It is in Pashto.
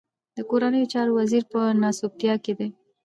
د کورنيو چارو وزير په ناسوبتيا کې دی.